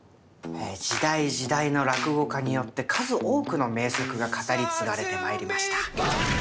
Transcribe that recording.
時代時代の落語家によって数多くの名作が語り継がれてまいりました。